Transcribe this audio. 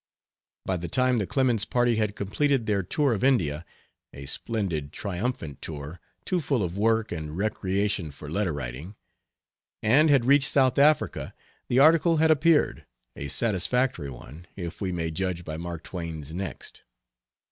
By the time the Clemens party had completed their tour of India a splendid, triumphant tour, too full of work and recreation for letter writing and had reached South Africa, the article had appeared, a satisfactory one, if we may judge by Mark Twain's next.